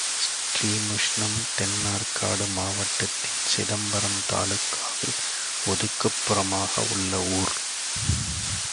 ஸ்ரீமுஷ்ணம் தென் ஆர்க்காடு மாவட்டத்தின், சிதம்பரம் தாலுகாவில் ஒதுக்குப் புறமாக உள்ள ஊர்.